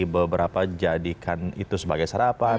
beberapa jadikan itu sebagai sarapan